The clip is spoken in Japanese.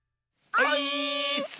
オイーッス！